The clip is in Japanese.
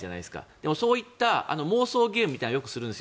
でも、そういった妄想ゲームみたいなのをよくするんですよ。